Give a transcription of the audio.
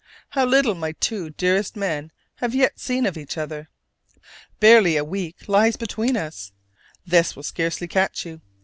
How little my two dearest men have yet seen of each other! Barely a week lies between us: this will scarcely catch you.